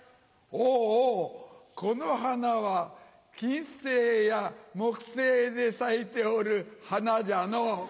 おおこの花は金星や木星で咲いておる花じゃのう。